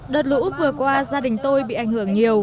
đợt lũ vừa qua gia đình tôi bị ảnh hưởng nhiều